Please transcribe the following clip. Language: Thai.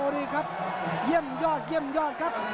นี่ครับเยี่ยมยอดครับ